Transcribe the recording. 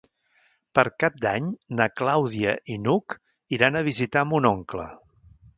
Per Cap d'Any na Clàudia i n'Hug iran a visitar mon oncle.